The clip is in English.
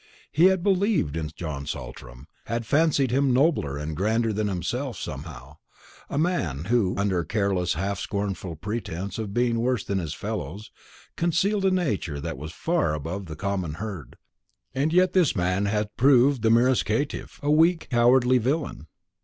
He had believed in John Saltram; had fancied him nobler and grander than himself, somehow; a man who, under a careless half scornful pretence of being worse than his fellows, concealed a nature that was far above the common herd; and yet this man had proved the merest caitiff, a weak cowardly villain.